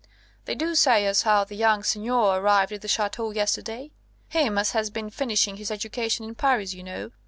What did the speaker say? "They do say as how the young Seigneur arrived at the Ch√¢teau yesterday him as has been finishing his education in Paris, you know.